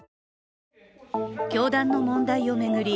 教団の問題を巡り